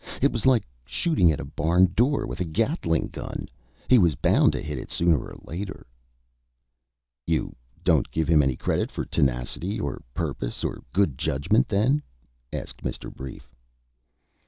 It was like shooting at a barn door with a Gatling gun. He was bound to hit it sooner or later." "You don't give him any credit for tenacity of purpose or good judgment, then?" asked Mr. Brief.